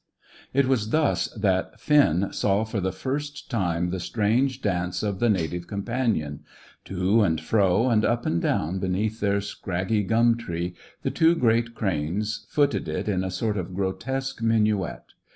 It was thus that Finn saw for the first time the strange dance of the Native Companion. To and fro, and up and down beneath their scraggy gum tree, the two great cranes footed it in a sort of grotesque minuet.